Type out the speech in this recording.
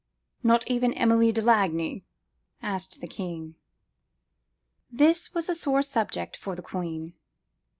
""Not even Emilie de Lagny?" asked the king. This was a sore subject for the queen.